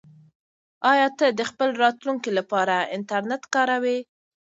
آیا ته د خپل راتلونکي لپاره انټرنیټ کاروې؟